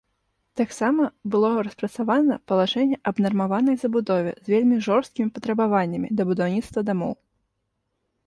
Таксама было распрацавана палажэнне аб нармаванай забудове з вельмі жорсткімі патрабаваннямі да будаўніцтва дамоў.